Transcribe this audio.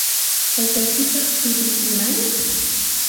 Taytaykipaq sutin iman?